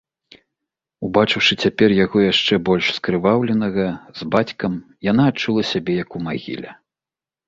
Убачыўшы цяпер яго, яшчэ больш скрываўленага, з бацькам, яна адчула сябе як у магіле.